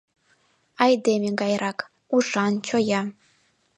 Айдеме гайрак: ушан, чоя.